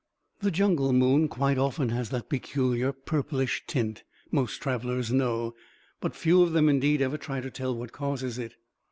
The jungle moon quite often has that peculiar purplish tint, most travellers know, but few of them indeed ever try to tell what causes it.